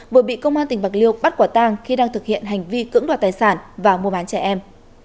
vừa bị công an tỉnh bạc liêu bắt quả tang khi đang thực hiện hành vi cưỡng đoạt tài sản và mua bán trẻ em